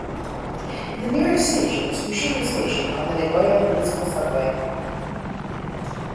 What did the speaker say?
The nearest station is Fushimi Station on the Nagoya Municipal Subway.